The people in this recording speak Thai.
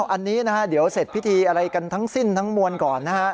อันนี้นะฮะเดี๋ยวเสร็จพิธีอะไรกันทั้งสิ้นทั้งมวลก่อนนะฮะ